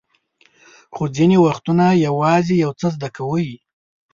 خو ځینې وختونه یوازې یو څه زده کوئ.